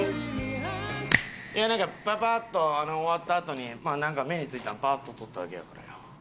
いやなんかパパッと終わったあとになんか目についたのをパッと取っただけやからよ。